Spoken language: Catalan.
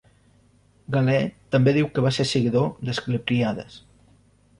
Galè també diu que va ser seguidor d'Asclepíades.